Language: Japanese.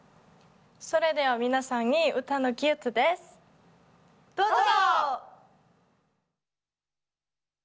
それでは皆さんに歌のＧＩＦＴです、どうぞ！